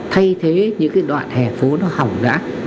thay thế những cái đoạn hẻ phố nó hỏng đã